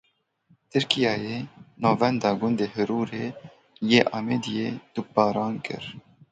Tirkiyeyê navenda gundê Hirûrê yê Amêdiyê topbaran kir.